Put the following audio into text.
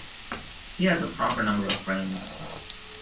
He has a proper number of frames.